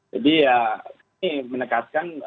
jadi ya ini menekatkan